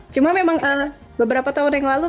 cuma memang beberapa tahun yang lalu